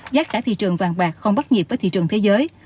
giá cả thị trường vàng bạc không bắt nhịp với thị trường thế giới